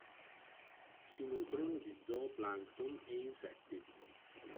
Si nutrono di zooplancton e insetti.